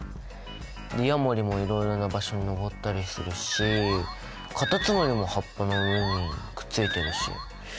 ヤモリもいろいろな場所にのぼったりするしカタツムリも葉っぱの上にくっついてるし。